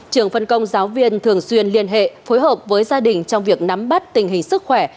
trường phân công giáo viên thường xuyên liên hệ phối hợp với gia đình trong việc nắm bắt tình hình sức khỏe